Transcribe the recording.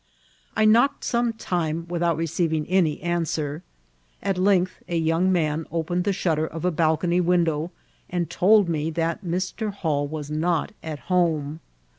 I knocked some time without receiving any answer. At length a young man opened the shutter of a balco* nied window, and told me that Mr. Hall was not at home.